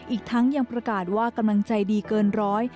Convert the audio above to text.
อีกทั้งยังประกาศว่ากำลังใจดีเกินร้อย